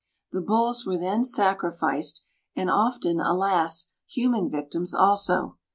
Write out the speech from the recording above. The bulls were then sacrificed, and often, alas, human victims also.